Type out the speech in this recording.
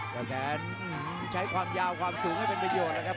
แต่แสนใช้ความยาวความสูงให้เป็นประโยชน์แล้วครับ